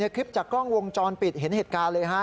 คลิปจากกล้องวงจรปิดเห็นเหตุการณ์เลยฮะ